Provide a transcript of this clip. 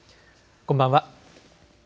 こんばんは。